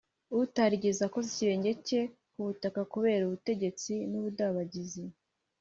utarigeze akoza ikirenge cye ku butaka kubera ubutesi n’ubudabagizi,